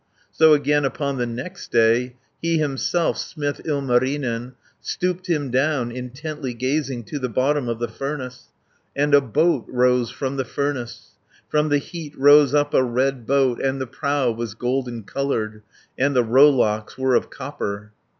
So again upon the next day, He himself, smith Ilmarinen, 340 Stooped him down, intently gazing To the bottom of the furnace, And a boat rose from the furnace, From the heat rose up a red boat, And the prow was golden coloured, And the rowlocks were of copper.